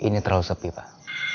ini terlalu sepi pak